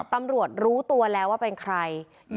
ตำรวจรู้ตัวแล้วว่าเป็นใคร